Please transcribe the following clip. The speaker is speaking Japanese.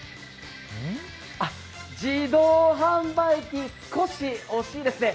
自動販売機、少し惜しいですね。